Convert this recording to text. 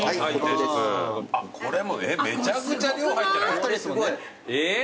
あっこれもめちゃくちゃ量入ってない？え？